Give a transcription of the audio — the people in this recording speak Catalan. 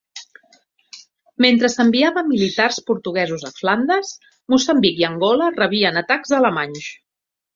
Mentre s'enviava militars portuguesos a Flandes, Moçambic i Angola rebien atacs alemanys.